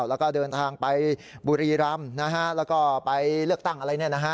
แล้วก็เดินทางไปบุรีรำแล้วก็ไปเลือกตั้งอะไร